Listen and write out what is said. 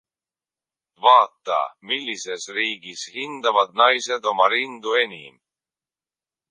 Vaata, millises riigis hindavad naised oma rindu enim!